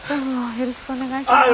よろしくお願いします。